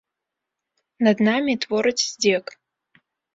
Над намі твораць здзек.